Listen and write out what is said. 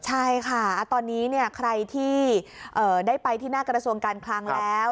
ใช่ค่ะตอนนี้ใครที่ได้ไปที่หน้ากระทรวงการคลังแล้ว